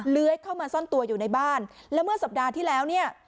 เลื้อยเข้ามาซ่อนตัวอยู่ในบ้านแล้วเมื่อสัปดาห์ที่แล้วเนี่ย